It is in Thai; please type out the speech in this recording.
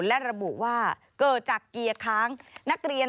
และระบุว่าเกิดจากเกียร์ค้างนักเรียน